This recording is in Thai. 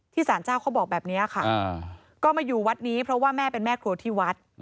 สารเจ้าเขาบอกแบบนี้ค่ะก็มาอยู่วัดนี้เพราะว่าแม่เป็นแม่ครัวที่วัด